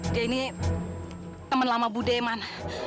dia ini teman lama bu demon